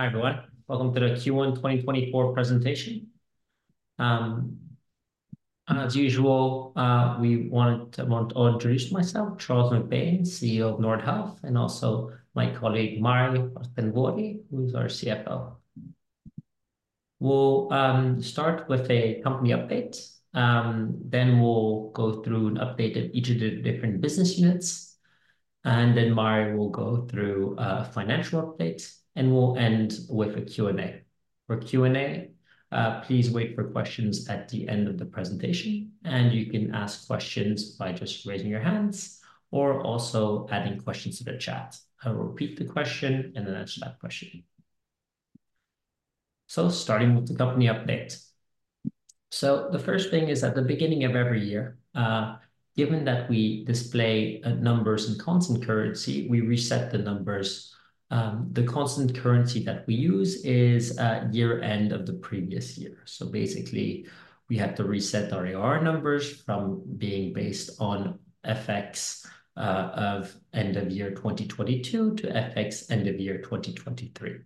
Hi everyone. Welcome to the Q1 2024 presentation. As usual, we wanted to introduce myself, Charles MacBain, CEO of Nordhealth, and also my colleague, Mari Orttenvuori, who is our CFO. We'll start with a company update, then we'll go through an update of each of the different business units. Then Mari will go through a financial update, and we'll end with a Q&A. For Q&A, please wait for questions at the end of the presentation, and you can ask questions by just raising your hands or also adding questions to the chat. I'll repeat the question and then answer that question. Starting with the company update. The first thing is at the beginning of every year, given that we display numbers in constant currency, we reset the numbers. The constant currency that we use is year end of the previous year. So basically, we have to reset our AR numbers from being based on FX of end of year 2022 to FX end of year 2023.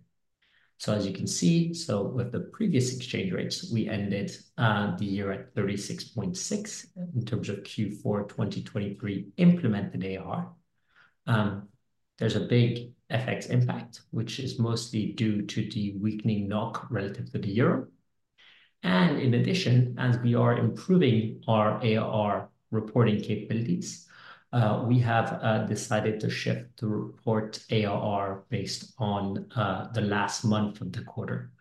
So as you can see, with the previous exchange rates, we ended the year at 36.6 in terms of Q4 2023 implemented AR. There's a big FX impact, which is mostly due to the weakening NOK relative to the euro. And in addition, as we are improving our AR reporting capabilities, we have decided to shift the reported AR based on the last month of the quarter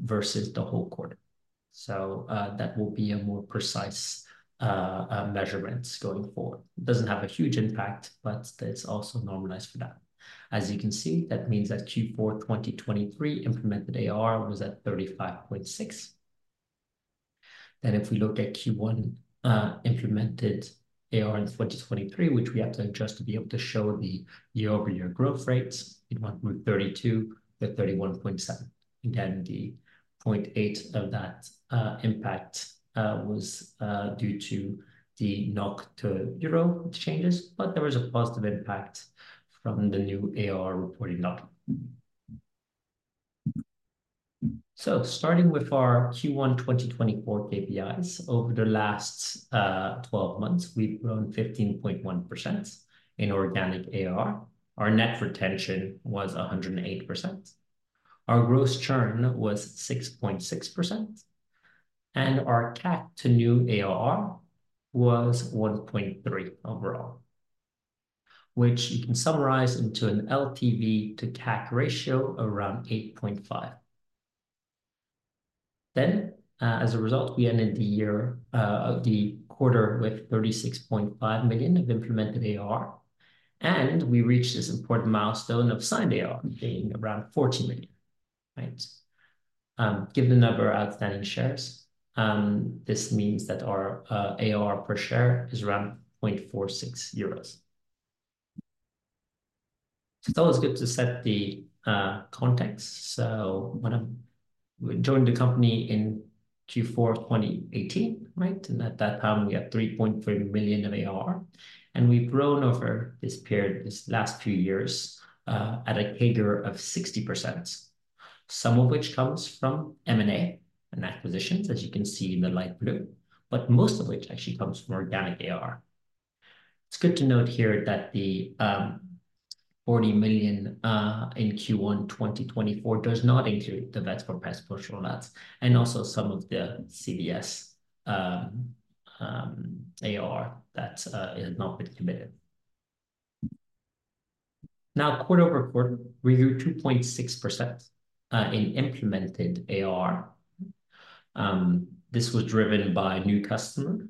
versus the whole quarter. So that will be a more precise measurement going forward. It doesn't have a huge impact, but it's also normalized for that. As you can see, that means that Q4 2023 implemented AR was at 35.6. Then if we look at Q1 implemented AR in 2023, which we have to adjust to be able to show the year-over-year growth rates in 13.2%-31.7%. Again, the 0.8% of that impact was due to the NOK-to-EUR changes, but there was a positive impact from the new AR reporting document. So starting with our Q1 2024 KPIs over the last 12 months, we've grown 15.1% in organic AR. Our net retention was 108%. Our gross churn was 6.6%. And our CAC to new AR was 1.3 overall. Which you can summarize into an LTV to CAC ratio around 8.5. Then as a result, we ended the quarter with 36.5 million of implemented AR. And we reached this important milestone of signed AR being around 40 million. Right. Given the number of outstanding shares, this means that our AR per share is around €0.46. So it's always good to set the context. So when I joined the company in Q4 2018, right, and at that time we had 3.3 million of AR. And we've grown over this period, this last few years, at a CAGR of 60%. Some of which comes from M&A and acquisitions, as you can see in the light blue, but most of which actually comes from organic AR. It's good to note here that the 40 million in Q1 2024 does not include the VATs for passport roll-outs and also some of the CVS AR that has not been committed. Now quarter-over-quarter, we grew 2.6% in implemented AR. This was driven by new customer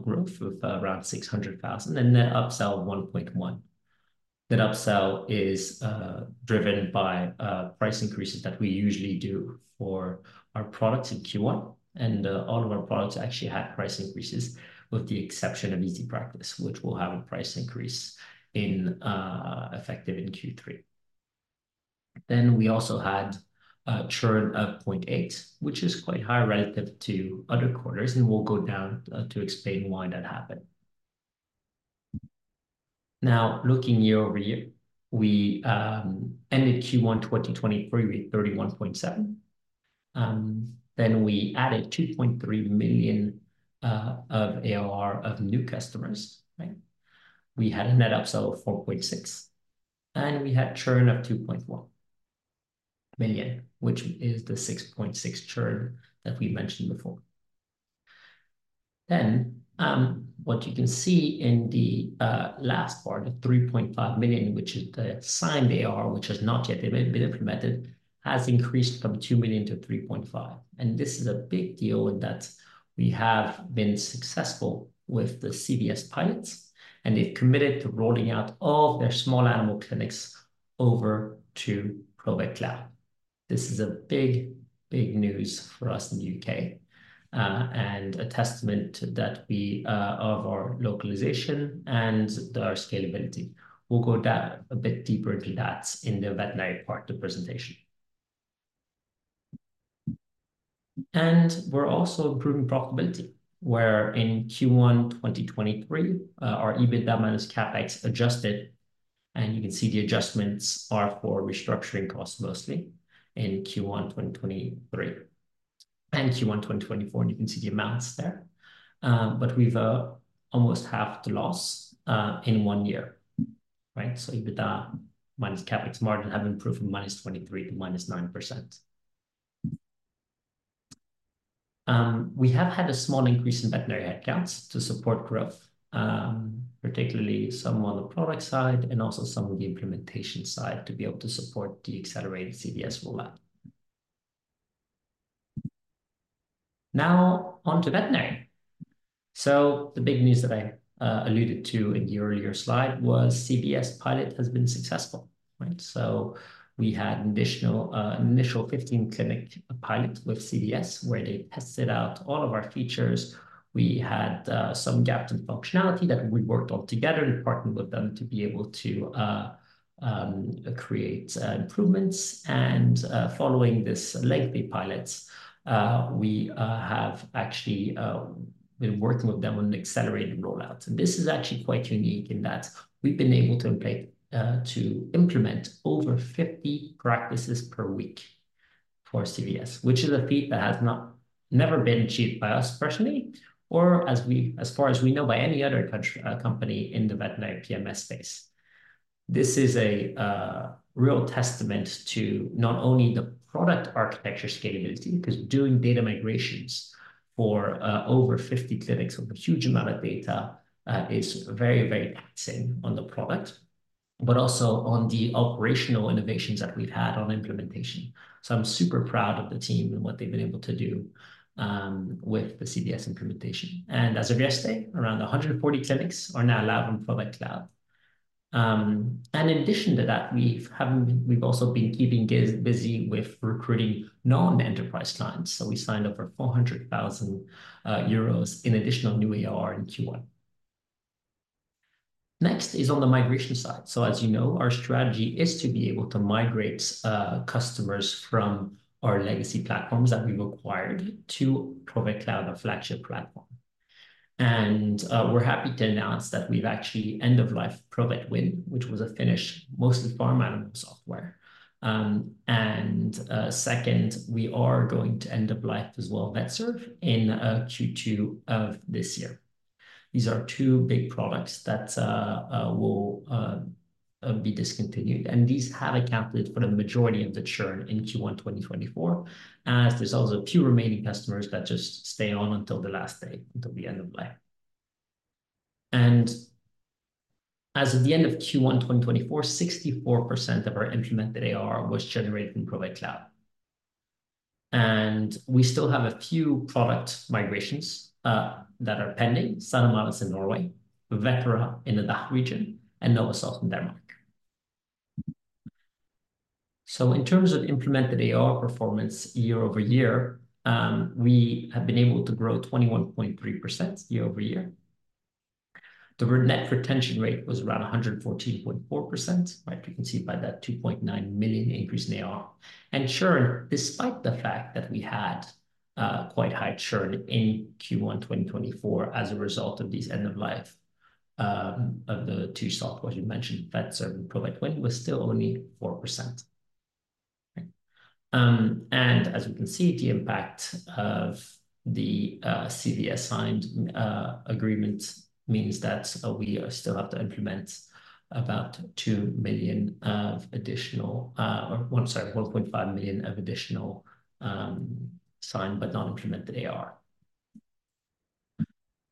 growth of around 600,000 and that upsell of 1.1 million. That upsell is driven by price increases that we usually do for our products in Q1, and all of our products actually had price increases with the exception of EasyPractice, which will have a price increase effective in Q3. Then we also had churn of 0.8 million, which is quite high relative to other quarters, and we'll go down to explain why that happened. Now looking year-over-year, we ended Q1 2023 with 31.7 million. Then we added 2.3 million of AR of new customers, right? We had a net upsell of 4.6 million. And we had churn of 2.1 million, which is the 6.6 million churn that we mentioned before. Then what you can see in the last part, the 3.5 million, which is the signed AR, which has not yet been implemented, has increased from 2 million to 3.5 million. This is a big deal in that we have been successful with the CVS pilots. They've committed to rolling out all of their small animal clinics over to Provet Cloud. This is a big, big news for us in the U.K. and a testament to that of our localization and our scalability. We'll go down a bit deeper into that in the veterinary part of the presentation. We're also improving profitability where in Q1 2023, our EBITDA minus CAPEX adjusted. You can see the adjustments are for restructuring costs mostly in Q1 2023. In Q1 2024, you can see the amounts there. But we've almost halved the loss in one year. Right? So EBITDA minus CAPEX margin have improved from -23% to -9%. We have had a small increase in veterinary headcounts to support growth, particularly some on the product side and also some of the implementation side to be able to support the accelerated CVS rollout. Now onto veterinary. So the big news that I alluded to in the earlier slide was CVS pilot has been successful, right? So we had an initial 15-clinic pilot with CVS where they tested out all of our features. We had some gaps in functionality that we worked on together in partnering with them to be able to create improvements. And following this lengthy pilot, we have actually been working with them on an accelerated rollout. This is actually quite unique in that we've been able to implement over 50 practices per week for CVS, which is a feat that has never been achieved by us personally or as far as we know by any other company in the veterinary PMS space. This is a real testament to not only the product architecture scalability because doing data migrations for over 50 clinics with a huge amount of data is very, very taxing on the product, but also on the operational innovations that we've had on implementation. I'm super proud of the team and what they've been able to do with the CVS implementation. As of yesterday, around 140 clinics are now live on Provet Cloud. In addition to that, we've also been keeping busy with recruiting non-enterprise clients. We signed over 400,000 euros in additional new AR in Q1. Next is on the migration side. So as you know, our strategy is to be able to migrate customers from our legacy platforms that we've acquired to Provet Cloud, a flagship platform. And we're happy to announce that we've actually end-of-life Provet Win, which was a Finnish, mostly farm animal software. And second, we are going to end-of-life as well VetServe in Q2 of this year. These are two big products that will be discontinued. And these have accounted for the majority of the churn in Q1 2024. As there's also a few remaining customers that just stay on until the last day, until the end of life. And as of the end of Q1 2024, 64% of our implemented ARR was generated from Provet Cloud. And we still have a few product migrations that are pending: Sanimalis in Norway, Vetera in the DACH region, and Novasoft in Denmark. So in terms of implemented AR performance year-over-year, we have been able to grow 21.3% year-over-year. The net retention rate was around 114.4%, right? You can see by that 2.9 million increase in AR. And churn, despite the fact that we had quite high churn in Q1 2024 as a result of these end-of-life of the two softwares you mentioned, VetServe and Provet Win, was still only 4%. And as we can see, the impact of the CVS signed agreement means that we still have to implement about 2 million of additional or, I'm sorry, 1.5 million of additional signed but not implemented AR.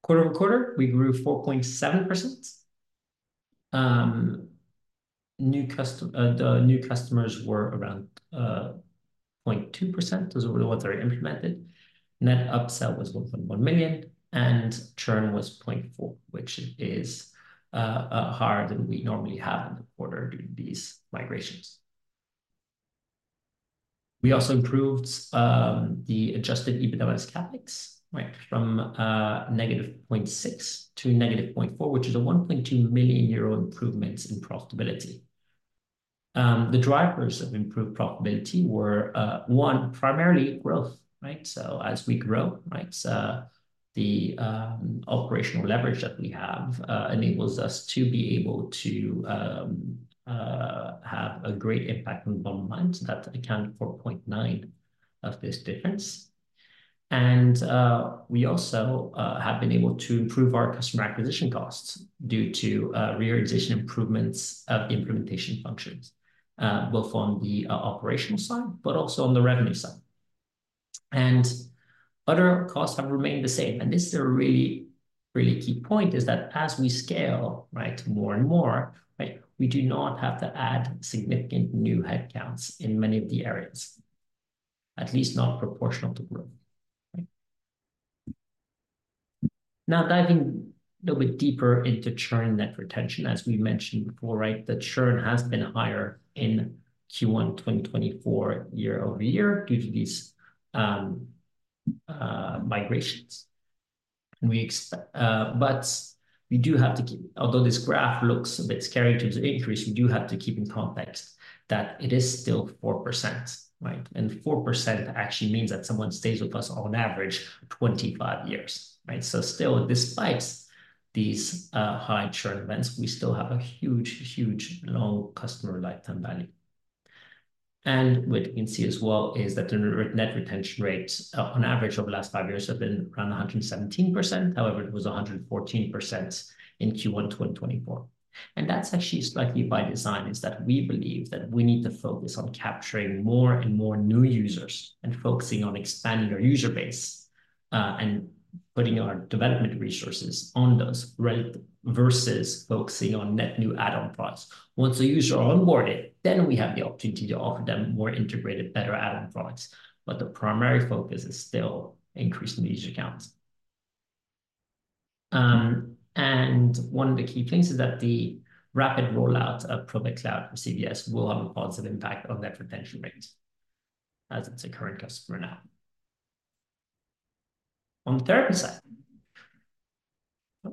Quarter-over-quarter, we grew 4.7%. New customers were around 0.2% as well as what they're implemented. Net upsell was 1.1 million and churn was 0.4%, which is higher than we normally have in the quarter due to these migrations. We also improved the adjusted EBITDA minus CAPEX, right, from -0.6%- -0.4%, which is a 1.2 million euro improvement in profitability. The drivers of improved profitability were, one, primarily growth, right? So as we grow, right, the operational leverage that we have enables us to be able to have a great impact on the bottom line. So that accounted for 0.9% of this difference. And we also have been able to improve our customer acquisition costs due to reorganization improvements of the implementation functions. Both on the operational side but also on the revenue side. And other costs have remained the same. And this is a really, really key point is that as we scale, right, more and more, right, we do not have to add significant new headcounts in many of the areas. At least not proportional to growth. Now diving a little bit deeper into churn net retention, as we mentioned before, right, the churn has been higher in Q1 2024 year-over-year due to these migrations. But we do have to keep, although this graph looks a bit scary to the increase, we do have to keep in context that it is still 4%, right? And 4% actually means that someone stays with us on average 25 years, right? So still, despite these high churn events, we still have a huge, huge long customer lifetime value. And what you can see as well is that the net retention rates on average over the last 5 years have been around 117%. However, it was 114% in Q1 2024. That's actually slightly by design, is that we believe that we need to focus on capturing more and more new users and focusing on expanding our user base and putting our development resources on those versus focusing on net new add-on products. Once a user onboarded, then we have the opportunity to offer them more integrated, better add-on products. But the primary focus is still increasing the user counts. And one of the key things is that the rapid rollout of Provet Cloud for CVS will have a positive impact on their retention rate. As it's a current customer now. On the therapy side.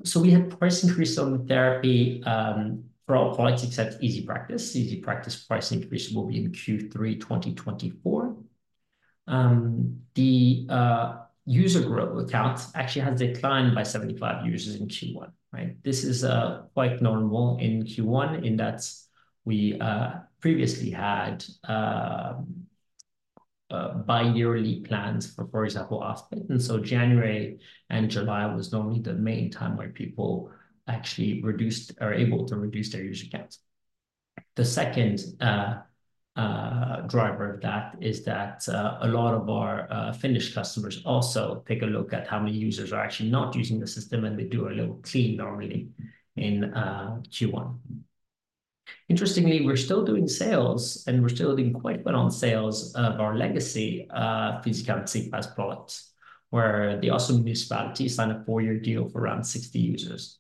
So we had price increase on therapy for our products except EasyPractice. EasyPractice price increase will be in Q3 2024. The user growth account actually has declined by 75 users in Q1, right? This is quite normal in Q1 in that we previously had bi-yearly plans for, for example, Aspen. So January and July was normally the main time where people actually reduced or were able to reduce their user counts. The second driver of that is that a lot of our Finnish customers also take a look at how many users are actually not using the system and they do a little clean normally in Q1. Interestingly, we're still doing sales and we're still doing quite well on sales of our legacy Physica and PsykBase products. Where the Oslo municipality signed a 4-year deal for around 60 users.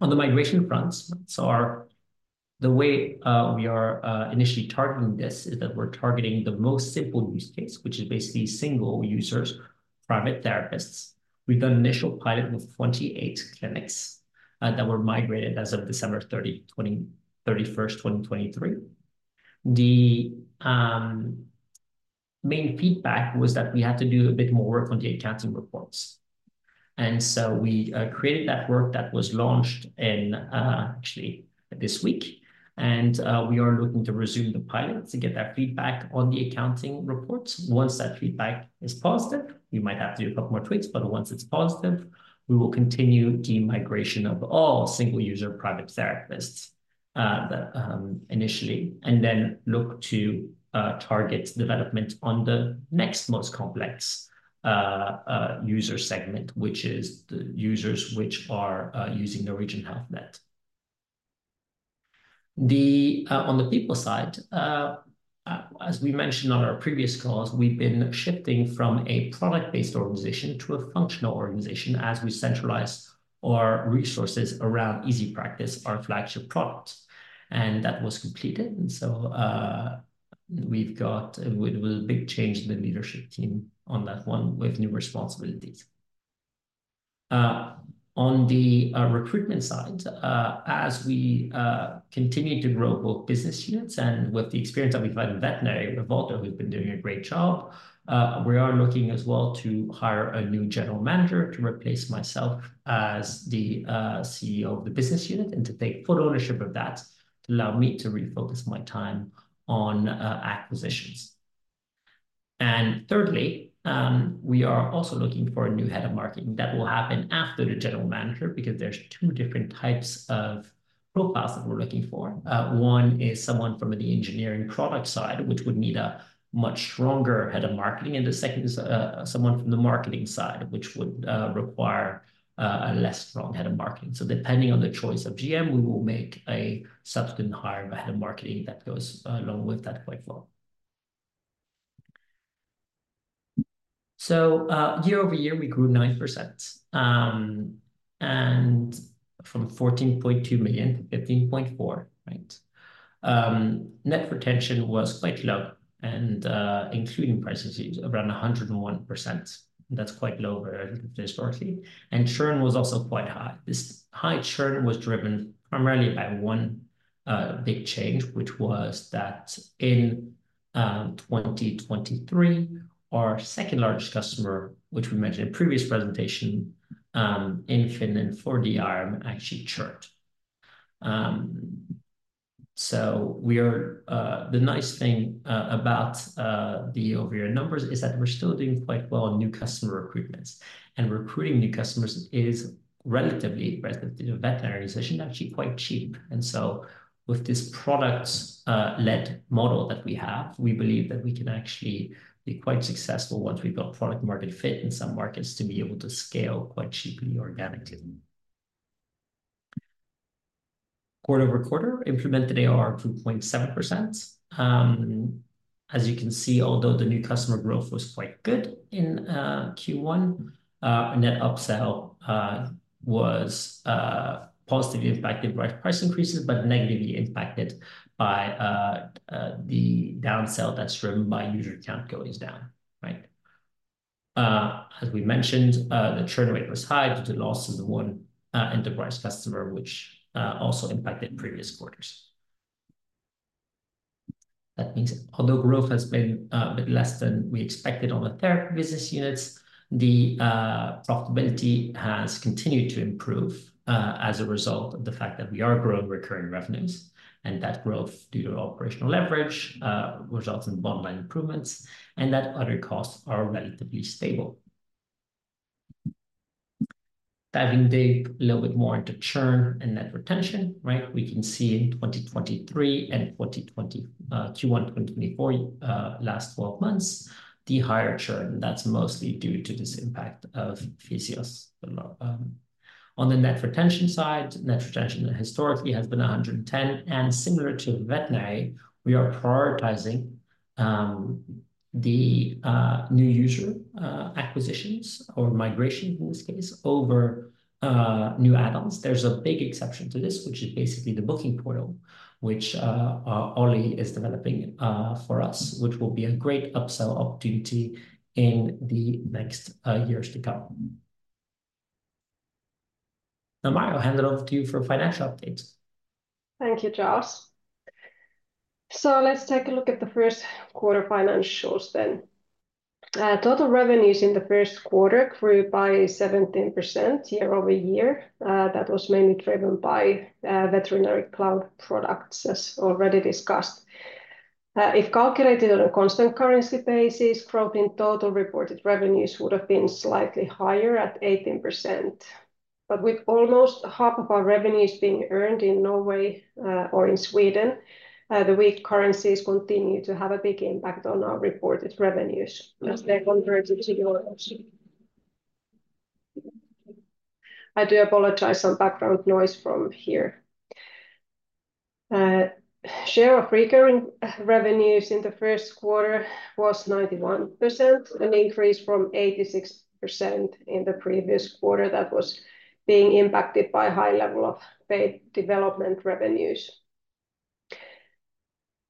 On the migration fronts, so the way we are initially targeting this is that we're targeting the most simple use case, which is basically single users, private therapists. We've done an initial pilot with 28 clinics that were migrated as of December 31st, 2023. The main feedback was that we had to do a bit more work on the accounting reports. So we created that work that was launched actually this week. We are looking to resume the pilot to get that feedback on the accounting reports. Once that feedback is positive, we might have to do a couple more tweaks, but once it's positive, we will continue the migration of all single user private therapists initially and then look to target development on the next most complex user segment, which is the users which are using Norwegian HealthNet. On the people side, as we mentioned on our previous calls, we've been shifting from a product-based organization to a functional organization as we centralize our resources around EasyPractice, our flagship product. That was completed. And so we've got a big change in the leadership team on that one with new responsibilities. On the recruitment side, as we continue to grow both business units and with the experience that we've had in veterinary, Valter, who's been doing a great job, we are looking as well to hire a new general manager to replace myself as the CEO of the business unit and to take full ownership of that to allow me to refocus my time on acquisitions. And thirdly, we are also looking for a new head of marketing. That will happen after the general manager because there's two different types of profiles that we're looking for. One is someone from the engineering product side, which would need a much stronger head of marketing. And the second is someone from the marketing side, which would require a less strong head of marketing. So depending on the choice of GM, we will make a subsequent hire of a head of marketing that goes along with that quite well. So year-over-year, we grew 9%. And from 14.2 million to 15.4 million, right? Net retention was quite low and including prices is around 101%. That's quite low historically. And churn was also quite high. This high churn was driven primarily by one big change, which was that in 2023, our second largest customer, which we mentioned in the previous presentation in Finland for DRM, actually churned. So the nice thing about the overview numbers is that we're still doing quite well on new customer recruitments. And recruiting new customers is relatively veterinary decision actually quite cheap. So with this product-led model that we have, we believe that we can actually be quite successful once we've got product-market fit in some markets to be able to scale quite cheaply organically. Quarter-over-quarter, implemented AR 2.7%. As you can see, although the new customer growth was quite good in Q1, net upsell was positively impacted by price increases but negatively impacted by the downsell that's driven by user count going down, right? As we mentioned, the churn rate was high due to loss of the one enterprise customer, which also impacted previous quarters. That means although growth has been a bit less than we expected on the therapy business units, the profitability has continued to improve as a result of the fact that we are growing recurring revenues. That growth due to operational leverage results in bottom line improvements. And that other costs are relatively stable. Diving deep a little bit more into churn and net retention, right? We can see in 2023 and Q1 2024, last 12 months, the higher churn. That's mostly due to this impact of Fysios. On the net retention side, net retention historically has been 110%. And similar to veterinary, we are prioritizing the new user acquisitions or migration in this case over new add-ons. There's a big exception to this, which is basically the booking portal, which Ollie is developing for us, which will be a great upsell opportunity in the next years to come. Now, Mari, I'll hand it over to you for financial updates. Thank you, Charles. So let's take a look at the first quarter financials then. Total revenues in the first quarter grew by 17% year-over-year. That was mainly driven by veterinary cloud products, as already discussed. If calculated on a constant currency basis, growth in total reported revenues would have been slightly higher at 18%. But with almost half of our revenues being earned in Norway or in Sweden, the weak currencies continue to have a big impact on our reported revenues as they're converted to euros. I do apologize for some background noise from here. Share of recurring revenues in the first quarter was 91%, an increase from 86% in the previous quarter that was being impacted by high level of paid development revenues.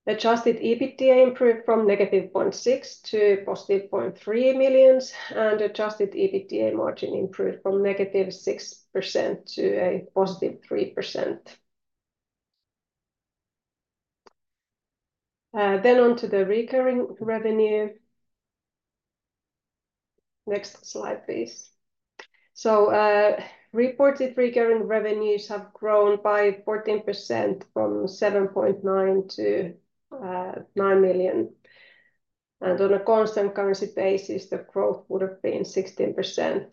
Adjusted EBITDA improved from -0.6 million to 0.3 million. And adjusted EBITDA margin improved from -6% to +3%. Then onto the recurring revenue. Next slide, please. So reported recurring revenues have grown by 14% from 7.9 million to 9 million. And on a constant currency basis, the growth would have been 16%.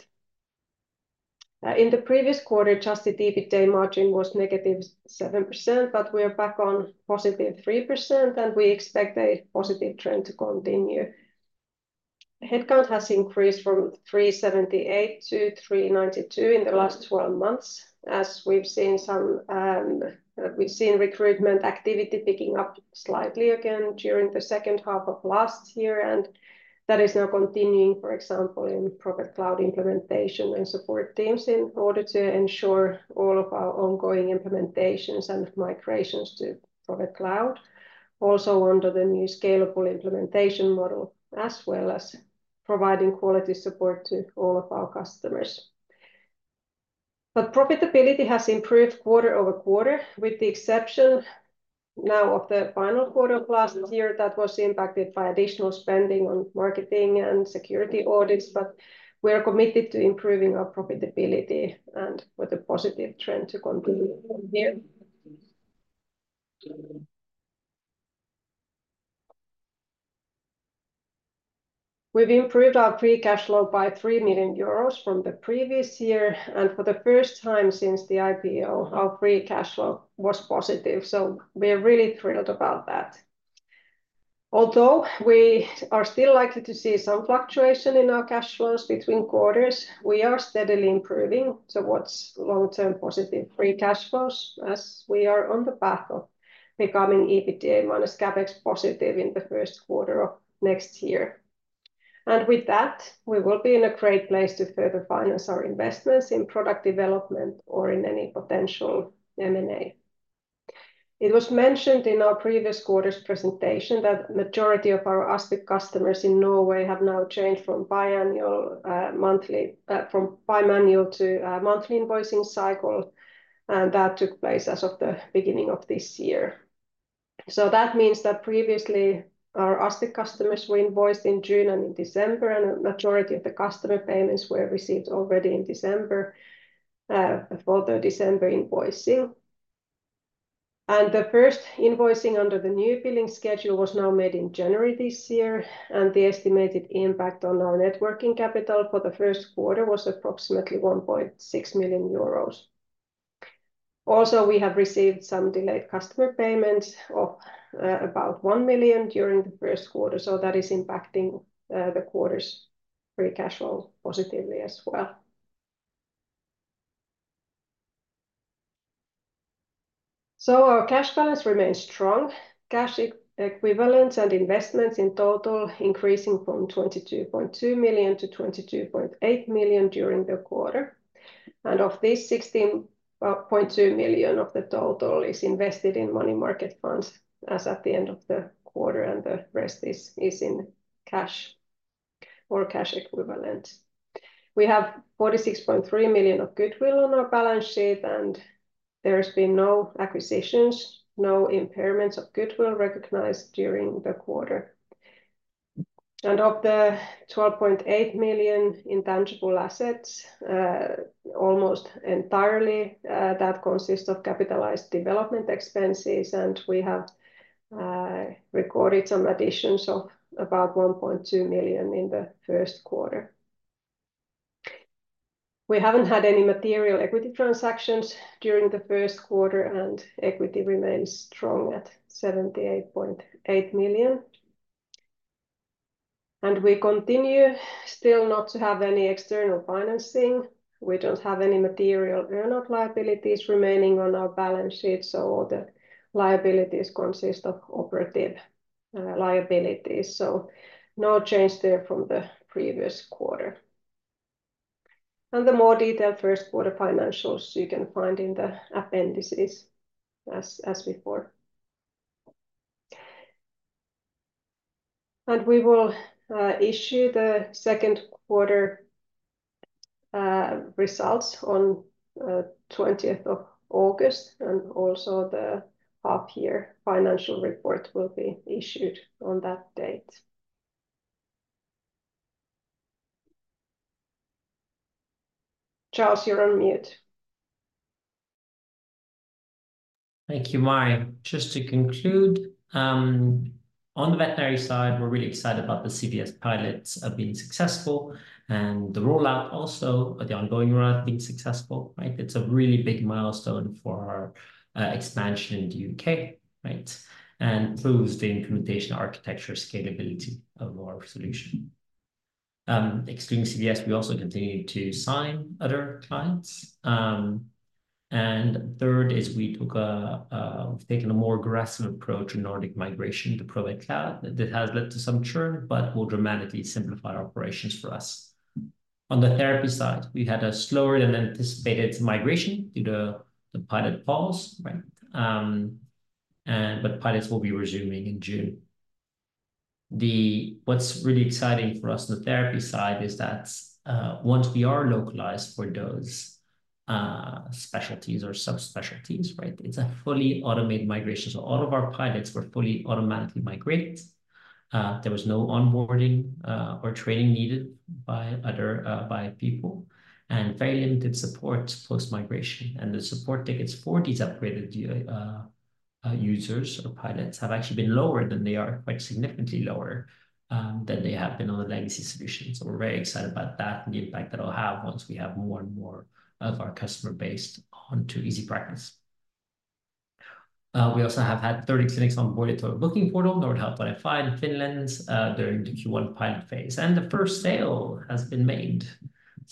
In the previous quarter, adjusted EBITDA margin was negative 7%, but we are back on positive 3%, and we expect a positive trend to continue. Headcount has increased from 378 to 392 in the last 12 months as we've seen some recruitment activity picking up slightly again during the second half of last year. And that is now continuing, for example, in Provet Cloud implementation and support teams in order to ensure all of our ongoing implementations and migrations to Provet Cloud. Also under the new scalable implementation model as well as providing quality support to all of our customers. But profitability has improved quarter-over-quarter with the exception now of the final quarter of last year that was impacted by additional spending on marketing and security audits. But we are committed to improving our profitability and with a positive trend to continue from here. We've improved our free cash flow by 3 million euros from the previous year. For the first time since the IPO, our free cash flow was positive. We're really thrilled about that. Although we are still likely to see some fluctuation in our cash flows between quarters, we are steadily improving towards long-term positive free cash flows as we are on the path of becoming EBITDA minus CAPEX positive in the first quarter of next year. With that, we will be in a great place to further finance our investments in product development or in any potential M&A. It was mentioned in our previous quarter's presentation that the majority of our Aspen customers in Norway have now changed from bi-annual to monthly invoicing cycle. That took place as of the beginning of this year. So that means that previously our Aspen customers were invoiced in June and in December, and the majority of the customer payments were received already in December for the December invoicing. The first invoicing under the new billing schedule was now made in January this year. The estimated impact on our net working capital for the first quarter was approximately 1.6 million euros. Also, we have received some delayed customer payments of about 1 million during the first quarter. That is impacting the quarter's free cash flow positively as well. Our cash balance remains strong. Cash equivalents and investments in total increasing from 22.2 million to 22.8 million during the quarter. Of this, 16.2 million of the total is invested in money market funds as at the end of the quarter and the rest is in cash or cash equivalent. We have 46.3 million of goodwill on our balance sheet, and there have been no acquisitions, no impairments of goodwill recognized during the quarter. And of the 12.8 million intangible assets, almost entirely that consists of capitalized development expenses, and we have recorded some additions of about 1.2 million in the first quarter. We haven't had any material equity transactions during the first quarter, and equity remains strong at 78.8 million. And we continue still not to have any external financing. We don't have any material earn-out liabilities remaining on our balance sheet. So all the liabilities consist of operative liabilities. So no change there from the previous quarter. And the more detailed first quarter financials you can find in the appendices as before. And we will issue the second quarter results on the 20th of August. And also the half-year financial report will be issued on that date. Charles, you're on mute. Thank you, Mari. Just to conclude, on the veterinary side, we're really excited about the CVS pilots being successful and the rollout also, the ongoing rollout being successful, right? It's a really big milestone for our expansion in the U.K., right? And improves the implementation architecture scalability of our solution. Excluding CVS, we also continue to sign other clients. And third is we've taken a more aggressive approach in Nordic migration to Provet Cloud that has led to some churn but will dramatically simplify operations for us. On the therapy side, we had a slower than anticipated migration due to the pilot pause, right? But pilots will be resuming in June. What's really exciting for us on the therapy side is that once we are localized for those specialties or subspecialties, right? It's a fully automated migration. So all of our pilots were fully automatically migrated. There was no onboarding or training needed by other people and very limited support post-migration. The support tickets for these upgraded users or pilots have actually been lower than they are quite significantly lower than they have been on the legacy solutions. We're very excited about that and the impact that it'll have once we have more and more of our customer base onto EasyPractice. We also have had 30 clinics onboarded to our booking portal, Nordhealth.fi in Finland during the Q1 pilot phase. The first sale has been made.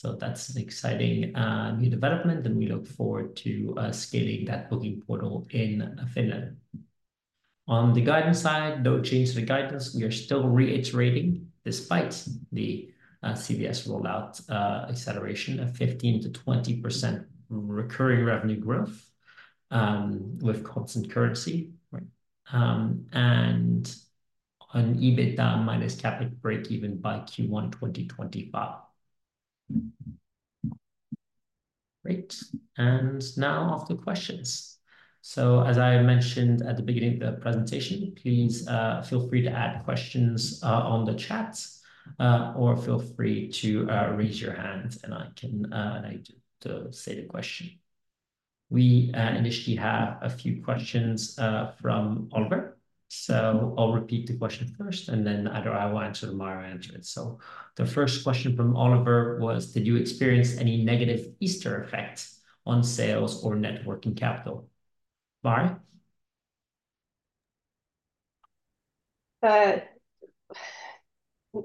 That's an exciting new development. We look forward to scaling that booking portal in Finland. On the guidance side, no change to the guidance. We are still reiterating despite the CVS rollout acceleration of 15%-20% recurring revenue growth with constant currency, right? An EBITDA minus CapEx breakeven by Q1 2025. Great. Now off to questions. So as I mentioned at the beginning of the presentation, please feel free to add questions on the chat or feel free to raise your hand and I can say the question. We initially have a few questions from Ollie. So I'll repeat the question first and then either I will answer them or I will answer it. So the first question from Ollie was, did you experience any negative Easter effect on sales or working capital? Mari?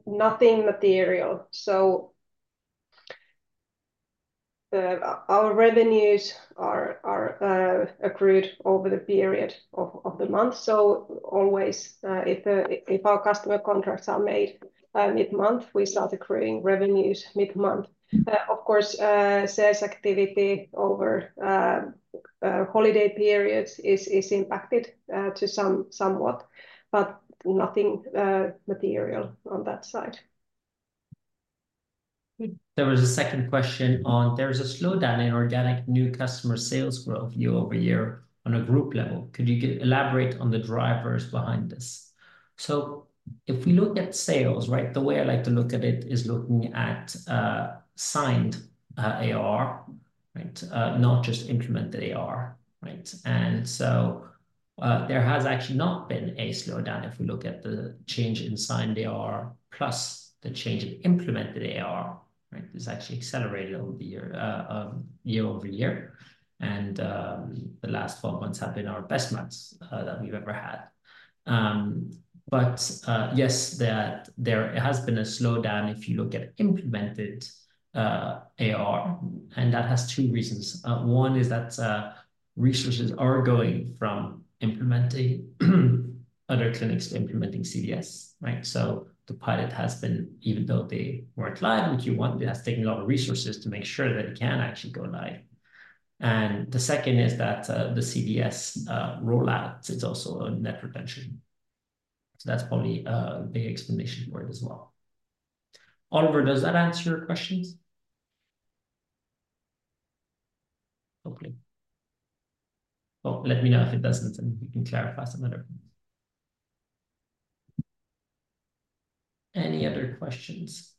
Nothing material. So our revenues are accrued over the period of the month. So always if our customer contracts are made mid-month, we start accruing revenues mid-month. Of course, sales activity over holiday periods is impacted somewhat, but nothing material on that side. There was a second question on, there's a slowdown in organic new customer sales growth year over year on a group level. Could you elaborate on the drivers behind this? So if we look at sales, right, the way I like to look at it is looking at signed AR, right? Not just implemented AR, right? And so there has actually not been a slowdown if we look at the change in signed AR plus the change in implemented AR, right? It's actually accelerated year-over-year. And the last 12 months have been our best months that we've ever had. But yes, there has been a slowdown if you look at implemented AR. And that has two reasons. One is that resources are going from implementing other clinics to implementing CVS, right? So the pilot has been, even though they weren't live in Q1, it has taken a lot of resources to make sure that it can actually go live. The second is that the CVS rollout, it's also a net retention. So that's probably a big explanation for it as well. Ollie, does that answer your questions? Hopefully. Well, let me know if it doesn't and we can clarify some other points. Any other questions?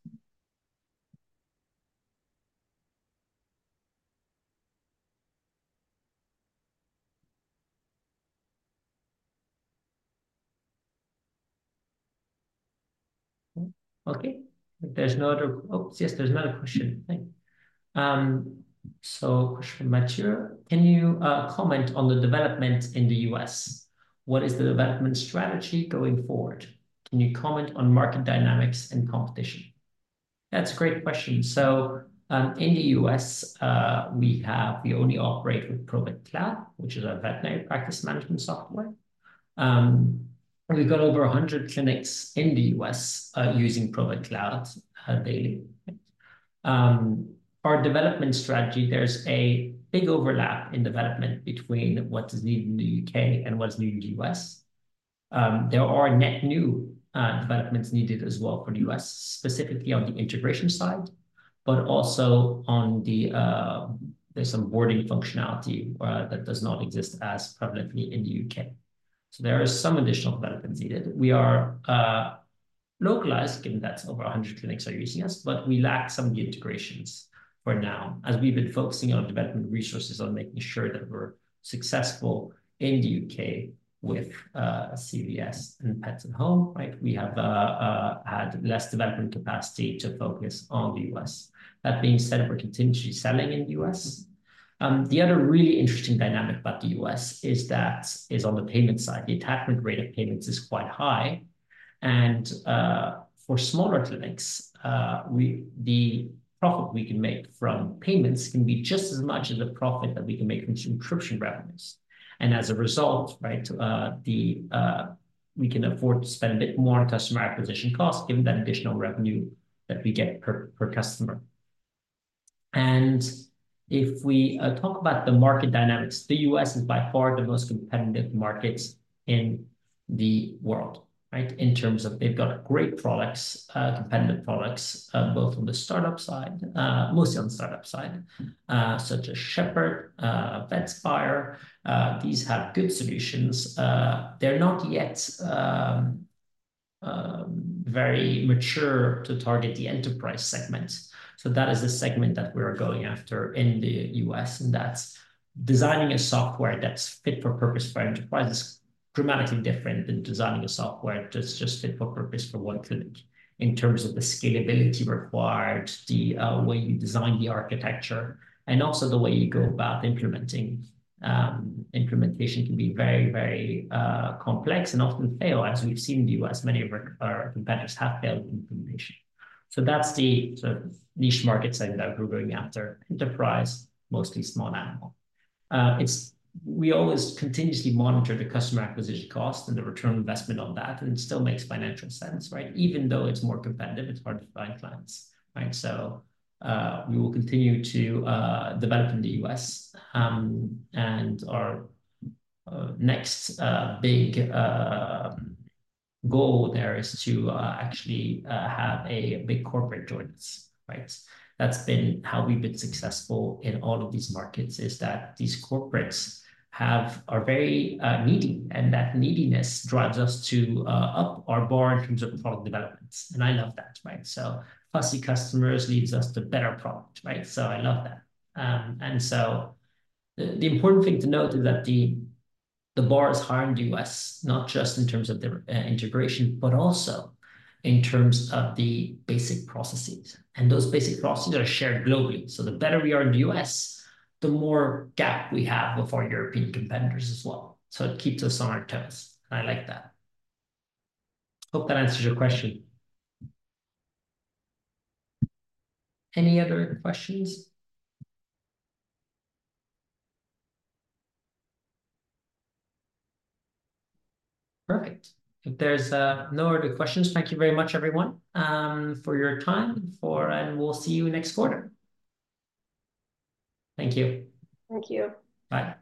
Okay. There's no other oops, yes, there's another question. Thanks. So question from Mateo. Can you comment on the development in the U.S.? What is the development strategy going forward? Can you comment on market dynamics and competition? That's a great question. So in the U.S., we only operate with Provet Cloud, which is our veterinary practice management software. We've got over 100 clinics in the U.S. using Provet Cloud daily. Our development strategy, there's a big overlap in development between what's needed in the U.K. and what's new in the U.S. There are net new developments needed as well for the US, specifically on the integration side. But also on the, there's some onboarding functionality that does not exist as prevalently in the U.K.. So there are some additional developments needed. We are localized given that over 100 clinics are using us, but we lack some of the integrations for now as we've been focusing on development resources on making sure that we're successful in the U.K. with CVS and Pets at Home, right? We have had less development capacity to focus on the US. That being said, we're continuously selling in the US. The other really interesting dynamic about the US is, that is, on the payment side. The attachment rate of payments is quite high. For smaller clinics, the profit we can make from payments can be just as much as the profit that we can make from subscription revenues. As a result, right, we can afford to spend a bit more on customer acquisition costs given that additional revenue that we get per customer. If we talk about the market dynamics, the U.S. is by far the most competitive market in the world, right? In terms of they've got great products, competitive products, both on the startup side, mostly on the startup side, such as Shepherd, Vetspire. These have good solutions. They're not yet very mature to target the enterprise segment. So that is the segment that we are going after in the U.S. and that's designing a software that's fit for purpose for enterprises dramatically different than designing a software that's just fit for purpose for one clinic. In terms of the scalability required, the way you design the architecture, and also the way you go about implementing. Implementation can be very, very complex and often fail as we've seen in the U.S., many of our competitors have failed implementation. So that's the sort of niche market side that we're going after, enterprise, mostly small animal. We always continuously monitor the customer acquisition costs and the return on investment on that and it still makes financial sense, right? Even though it's more competitive, it's hard to find clients, right? So we will continue to develop in the U.S. And our next big goal there is to actually have a big corporate join us, right? That's been how we've been successful in all of these markets is that these corporates are very needy and that neediness drives us to up our bar in terms of product development. And I love that, right? So fussy customers leads us to better product, right? So I love that. And so the important thing to note is that the bar is higher in the U.S., not just in terms of their integration, but also in terms of the basic processes. And those basic processes are shared globally. So the better we are in the U.S., the more gap we have before European competitors as well. So it keeps us on our toes. And I like that. Hope that answers your question. Any other questions? Perfect. If there's no other questions, thank you very much, everyone, for your time and we'll see you next quarter. Thank you. Thank you. Bye.